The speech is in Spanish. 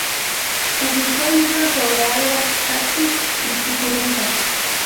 Publicó libros sobre algas, cactus y suculentas.